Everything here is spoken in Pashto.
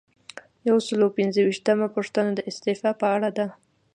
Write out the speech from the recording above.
یو سل او پنځه ویشتمه پوښتنه د استعفا په اړه ده.